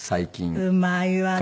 うまいわね。